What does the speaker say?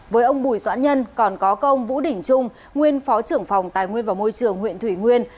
với ông bùi doãn nhân còn có công vũ đỉnh trung nguyên phó trưởng phòng tài nguyên và môi trường huyện thủy nguyên